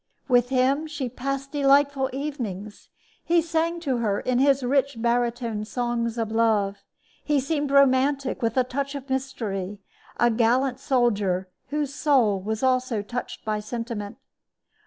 With him she passed delightful evenings. He sang to her in his rich barytone songs of love. He seemed romantic with a touch of mystery, a gallant soldier whose soul was also touched by sentiment.